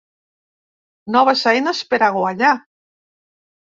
Noves eines per a guanyar.